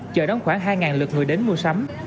chợ đón khoảng hai lượt người đến mua sắm